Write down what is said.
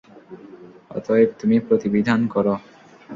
অতএব, তুমি প্রতিবিধান কর।